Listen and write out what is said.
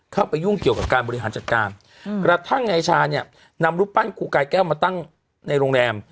เข้าไปยุ่งเกี่ยวกับการบริหารจัดการกระทั่งนายชาเนี่ยนำรูปปั้นครูกายแก้วมาตั้งในโรงแรม